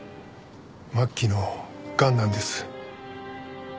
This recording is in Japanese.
末期のがんなんです。